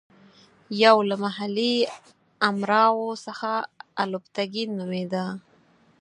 یو له محلي امراوو څخه الپتکین نومېده.